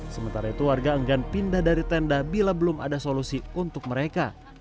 sementara itu warga enggan pindah dari tenda bila belum ada solusi untuk mereka